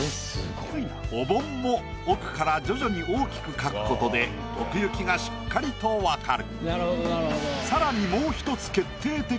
おぼんも奥から徐々に大きく描くことで奥行きがしっかりとわかる。